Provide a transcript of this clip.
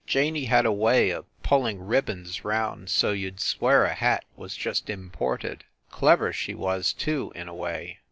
Janey had a way of pulling ribbons round so you d swear a hat was just imported. Clever, she was, too, in a way.